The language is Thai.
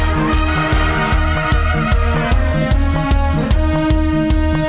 โปรดติดตามตอนต่อไป